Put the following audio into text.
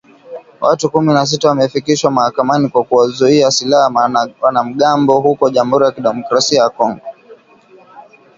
Watu kumi na sita wamefikishwa mahakamani kwa kuwauzia silaha wanamgambo huko Jamhuri ya Kidemokrasia ya Kongo